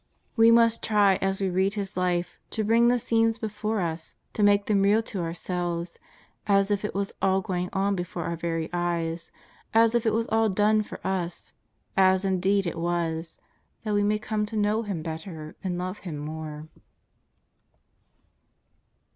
We must try as we read His Life to bring the scenes before us, to make them real to ourselves, as if it was all going on before our very eyes, as if it was all done for us, as indeed it was, that we may come to know Him better and love Him more.